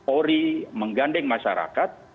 ori menggandeng masyarakat